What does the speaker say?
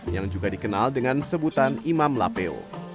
yang juga dikenal dengan sebutan imam lapeo